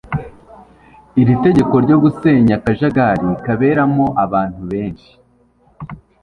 iri tegeko ryo gusenyaakajagari kaberamo abantu benshi